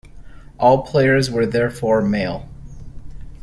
All players were therefore male.